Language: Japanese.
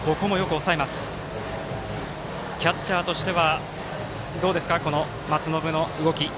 キャッチャーとしてはどうですか松延の動き。